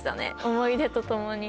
思い出とともに。